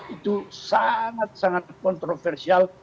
itu sangat sangat kontroversial